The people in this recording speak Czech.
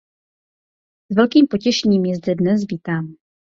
S velkým potěšením je zde dnes vítám.